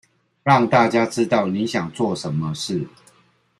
讓大家知道你想做什麼事